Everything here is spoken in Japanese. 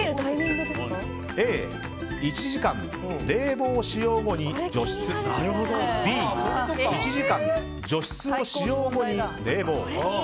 Ａ、１時間、冷房使用後に除湿Ｂ、１時間、除湿を使用後に冷房。